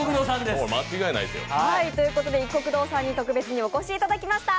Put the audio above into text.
いっこく堂さんに特別にお越しいただきました。